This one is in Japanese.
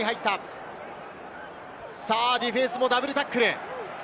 ディフェンスもダブルタックル。